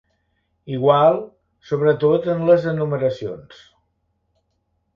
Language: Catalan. Igual, sobretot en les enumeracions.